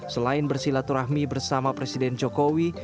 selain bersilaturahmi bersama presiden jokowi